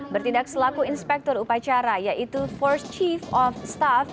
bertindak selaku inspektur upacara yaitu force chief of staff